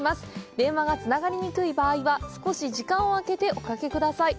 電話がつながりにくい場合は少し時間をあけておかけください。